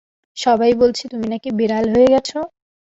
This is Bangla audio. সবাই বলছে তুমি নাকি বিড়াল হয়ে গেছ।